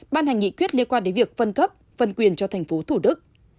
ban hành nghị quyết liên quan đến việc phân cấp phân quyền cho thành phố thủ đức